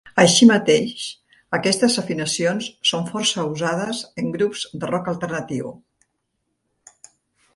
Així mateix aquestes afinacions són força usades en grups de rock alternatiu.